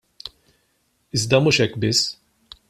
Iżda mhux hekk biss.